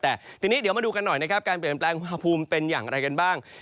แต่ทีนี้เดี๋ยวมาดูกันหน่อยนะครับการเปลี่ยนแปลงอุณหภูมิเป็นอย่างไรกันบ้าง